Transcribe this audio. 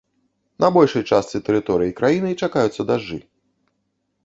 На большай частцы тэрыторыі краіны чакаюцца дажджы.